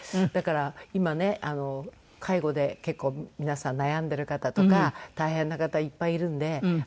だから今ね介護で結構皆さん悩んでる方とか大変な方いっぱいいるんで。